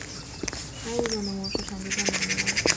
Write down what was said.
该物种的模式产地在马尼拉。